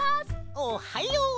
おっはよう！